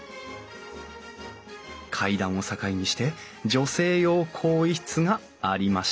階段を境にして女性用更衣室がありました